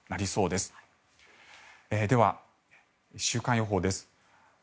では、週間予報です。